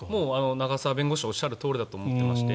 永沢弁護士がおっしゃるとおりだと思っていまして